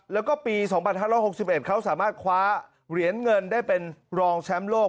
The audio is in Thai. แล้วก็ปี๒๕๖๑เขาสามารถคว้าเหรียญเงินได้เป็นรองแชมป์โลก